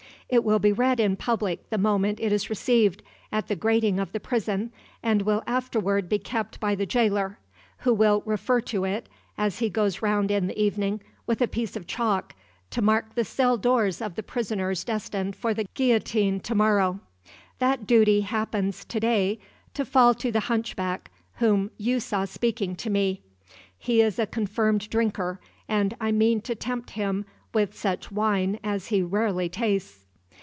It will be read in public the moment it is received, at the grating of the prison, and will afterward be kept by the jailer, who will refer to it, as he goes round in the evening with a piece of chalk, to mark the cell doors of the prisoners destined for the guillotine to morrow. That duty happens, to day, to fall to the hunchback whom you saw speaking to me. He is a confirmed drinker, and I mean to tempt him with such wine as he rarely tastes.